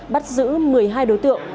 bắt giữ một mươi hai đối tượng